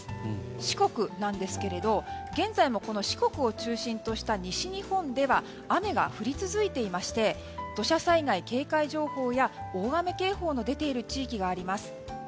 四国なんですけれど現在も四国を中心にした西日本では雨が降り続いていまして土砂災害警戒情報や大雨警報の出ている地域があります。